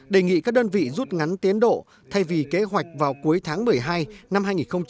đề nghị các đơn vị rút ngắn tiến độ thay vì kế hoạch vào cuối tháng một mươi hai năm hai nghìn hai mươi